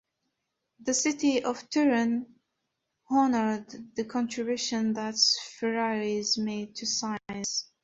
The city of Turin honored the contributions that Ferraris made to science.